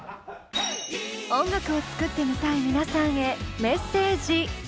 音楽を作ってみたい皆さんへメッセージ。